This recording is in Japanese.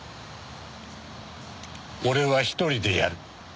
俺は一人でやる。